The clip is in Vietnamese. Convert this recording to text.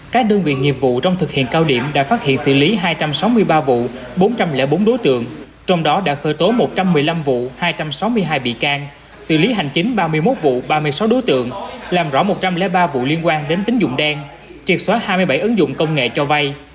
các đơn vị nghiệp vụ trong thực hiện cao điểm đã phát hiện xử lý hai trăm sáu mươi ba vụ bốn trăm linh bốn đối tượng trong đó đã khởi tố một trăm một mươi năm vụ hai trăm sáu mươi hai bị can xử lý hành chính ba mươi một vụ ba mươi sáu đối tượng làm rõ một trăm linh ba vụ liên quan đến tính dụng đen triệt xóa hai mươi bảy ứng dụng công nghệ cho vay